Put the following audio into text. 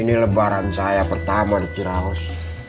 ini lebaran saya pertama di tiraos